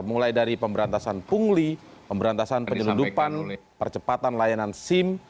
mulai dari pemberantasan pungli pemberantasan penyelundupan percepatan layanan sim